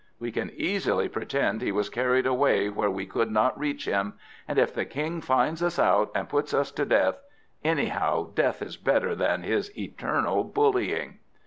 We can easily pretend he was carried away where we could not reach him; and if the King finds us out, and puts us to death anyhow, death is better than his eternal bullying."